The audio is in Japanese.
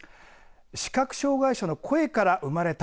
視覚障害者の声から生まれた！